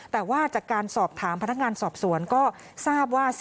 แต่ว่าจากการสอบถามพนักงานสอบสวนก็ทราบว่า